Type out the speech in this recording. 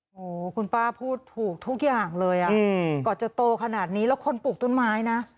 โอ้โหคุณป้าพูดถูกทุกอย่างเลยอ่ะกว่าจะโตขนาดนี้แล้วคนปลูกต้นไม้นะ